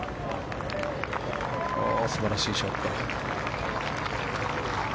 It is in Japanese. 素晴らしいショット。